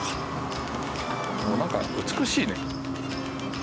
もうなんか美しいね。